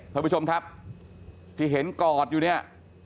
ท่านผู้ชมครับที่เห็นกอดอยู่เนี่ย